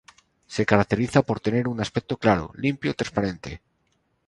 Se caracteriza por tener un aspecto claro, limpio y transparente.